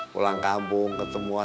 pulang kampung ketemu dia